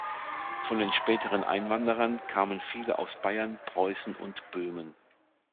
Von den späteren Einwanderern kamen viele aus Bayern, Preußen und Böhmen.